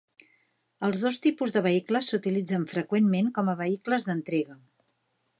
Els dos tipus de vehicles s'utilitzen freqüentment com a vehicles d'entrega.